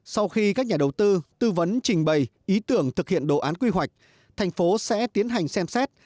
sau khi các nhà đầu tư tư vấn trình bày ý tưởng thực hiện đồ án quy hoạch thành phố sẽ tiến hành xem xét